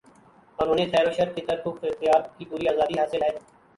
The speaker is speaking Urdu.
اور انھیں خیروشر کے ترک و اختیار کی پوری آزادی حاصل ہے